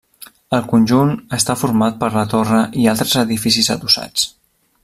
El conjunt està format per la torre i altres edificis adossats.